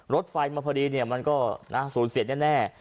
รถไฟมาพอดีมันก็สูญเสียแน่